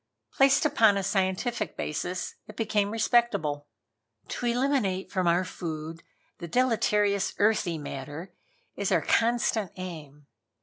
Placed upon a scientific basis it became respectable. "To eliminate from our food the deleterious earthy matter is our constant aim.